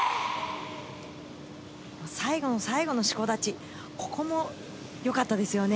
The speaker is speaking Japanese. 最後の最後の四股立ち、ここもよかったですよね。